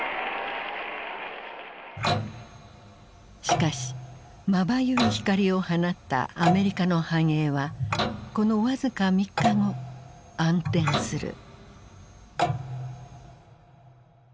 しかしまばゆい光を放ったアメリカの繁栄はこの僅か３日後暗転する。